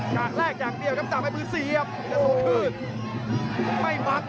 กากแรกอย่างเดียวครับดาบไบมือเสียบ